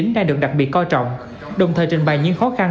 đang được đặc biệt coi trọng đồng thời trình bày những khó khăn